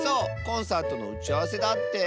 コンサートのうちあわせだって。